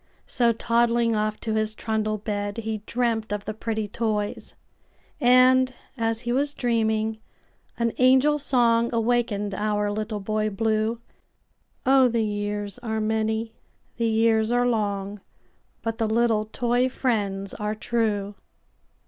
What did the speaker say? So, toddling off to his trundle bed, He dreamt of the pretty toys; And, as he was dreaming, an angel songAwakened our Little Boy Blue—Oh! the years are many, the years are long, But the little toy friends are true!